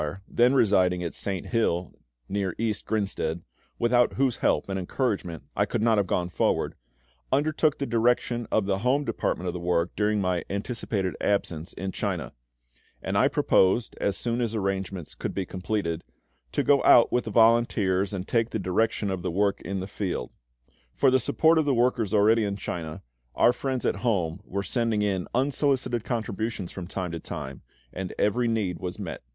then residing at Saint Hill, near East Grinstead, without whose help and encouragement I could not have gone forward, undertook the direction of the home department of the work during my anticipated absence in China; and I proposed, as soon as arrangements could be completed, to go out with the volunteers and take the direction of the work in the field. For the support of the workers already in China, our friends at home were sending in unsolicited contributions from time to time, and every need was met.